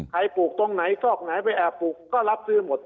ปลูกตรงไหนซอกไหนไปแอบปลูกก็รับซื้อหมด